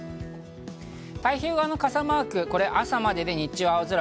太平洋側の傘マークは朝までで、日中は青空。